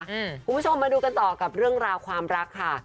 คุณผู้ชมมาดูกันต่อกับเรื่องราวความรักค่ะ